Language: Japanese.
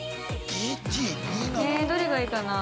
◆えー、どれがいいかなぁ。